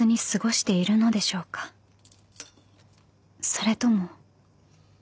［それとも］